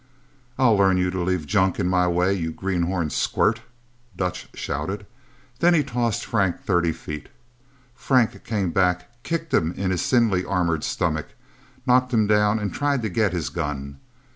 "I'll learn you to leave junk in my way, you greenhorn squirt!" Dutch shouted. Then he tossed Frank thirty feet. Frank came back, kicked him in his thinly armored stomach, knocked him down, and tried to get his gun.